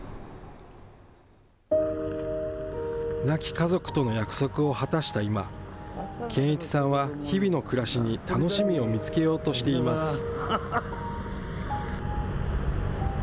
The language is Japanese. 亡き家族との約束を果たした今、堅一さんは日々の暮らしに楽しみを見つけようとしています。